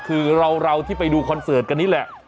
คือเราที่ไปดูคอนเสิร์ตกันนี่แหละ